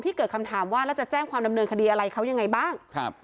เกิดคำถามว่าแล้วจะแจ้งความดำเนินคดีอะไรเขายังไงบ้างครับ